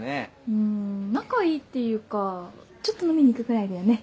うん仲いいっていうかちょっと飲みに行くくらいだよね。